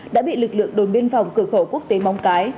đã bị lực lượng đồn biên phòng cửa khẩu quốc tế mong cái